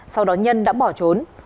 sau đó nhân đã bỏ trốn